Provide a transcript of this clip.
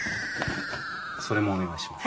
それもお願いします。